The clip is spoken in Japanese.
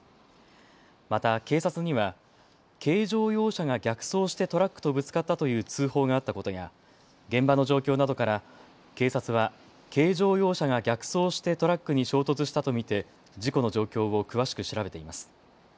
また警察には軽乗用車が逆走してトラックとぶつかったという通報があったことや現場の状況などから警察は軽乗用車が逆走してトラックに衝突したと見て事故の状況を詳しく調べています。